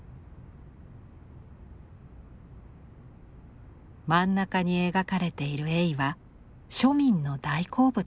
真ん中に描かれているエイは庶民の大好物でした。